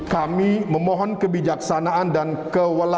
kami memohon kebijaksanaan dan kewalahan